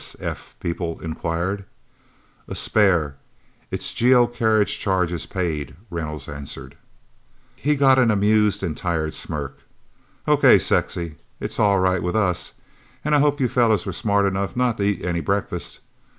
S.S.F. people inquired. "A spare. Its GO carriage charge is paid," Reynolds answered. He got an amused and tired smirk. "Okay, Sexy it's all right with us. And I hope you fellas were smart enough not to eat any breakfast.